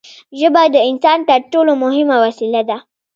ژبه د انسان تر ټولو مهمه وسیله ده.